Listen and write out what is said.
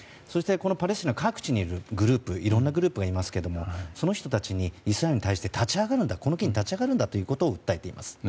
パレスチナ各地にいろんなグループがいますがその人たちにイスラエルに対してこれを機に立ち上がるんだということを訴えています。